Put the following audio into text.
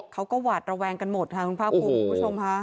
เขาก็หวาดระแวงกันหมดค่ะคุณพ่าผู้ชมค่ะ